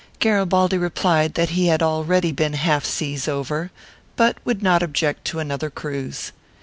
Garibaldi replied that he had already been half seas over, but would not object to another cruise.